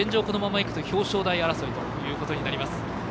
このままいくと表彰台争いということになります。